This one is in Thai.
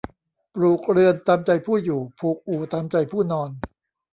ปลูกเรือนตามใจผู้อยู่ ผูกอู่ตามใจผู้นอน